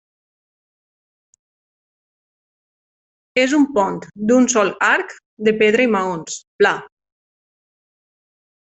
És un pont d'un sol arc de pedra i maons, pla.